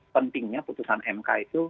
pentingnya putusan mk itu